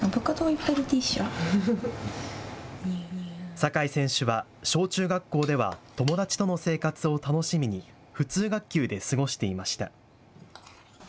酒井選手は小中学校では友達との生活を楽しみに普通学級で過ごしていました。